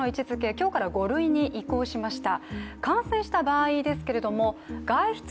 今日から５類に移行しました。